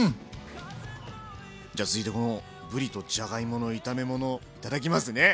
じゃ続いてこのぶりとじゃがいもの炒め物頂きますね。